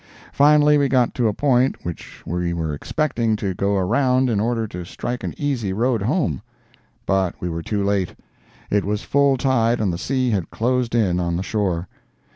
Finally we got to a point which we were expecting to go around in order to strike an easy road home; but we were too late; it was full tide and the sea had closed in on the shore.